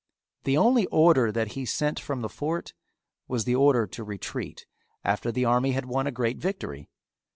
The only order that he sent from the fort was the order to retreat after the army had won a great victory.